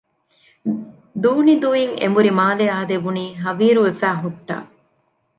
ދޫނިދޫއިން އެނބުރި މާލެ އާދެވުނީ ހަވީރުވެފައި ހުއްޓާ